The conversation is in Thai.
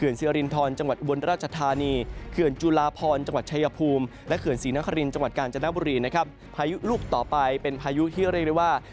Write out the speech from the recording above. เป็นพายุที่เรียกได้ว่า